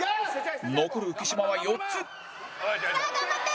残る浮島は４つさあ頑張って！